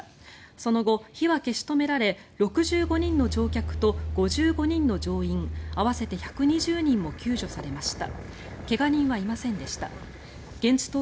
その後、火は消し止められ６５人の乗客と５５人の乗員合わせて１２０人も救助されました。